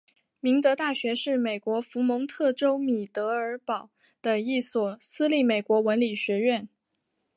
明德大学是美国佛蒙特州米德尔堡的一所私立美国文理学院。